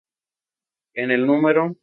En el Núm.